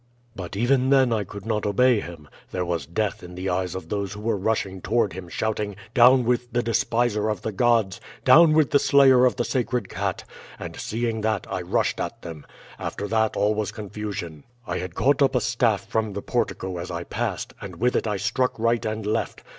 "But even then I could not obey him. There was death in the eyes of those who were rushing toward him shouting 'Down with the despiser of the gods! Down with the slayer of the sacred cat!' and seeing that, I rushed at them. After that all was confusion. I had caught up a staff from the portico as I passed, and with it I struck right and left.